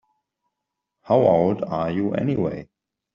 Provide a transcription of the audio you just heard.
How old are you anyway?